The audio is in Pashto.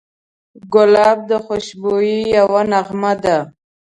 ګلاب د خوشبویۍ یوه نغمه ده.